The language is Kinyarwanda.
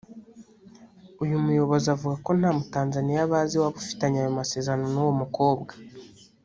uyu muyobozi avuga ko nta mutanzaniya bazi waba ufitanye ayo masezerano n’uwo mukobwa